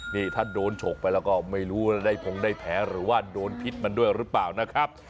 นี่ถ้าโดนฉกไปแล้วก็ไม่รู้ได้พงได้แผลหรือว่าโดนพิษมันด้วยหรือเปล่านะครับ